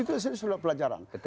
itu sudah pelajaran